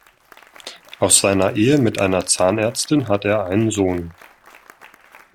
Aus seiner Ehe mit einer Zahnärztin hat er einen Sohn.